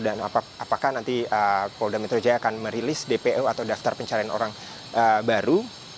dan apakah nanti polda metro jaya akan merilis dpo atau daftar pencarian orang baru